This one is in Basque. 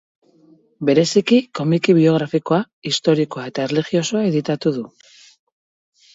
Bereziki Komiki biografikoa, historikoa eta erlijiosoa editatu du.